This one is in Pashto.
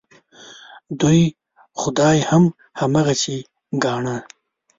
دوی خدای هم هماغسې ګاڼه.